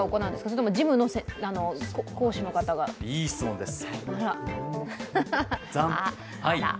それともジムの講師の方がいい質問です。